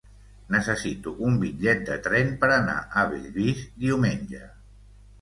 Necessito un bitllet de tren per anar a Bellvís diumenge.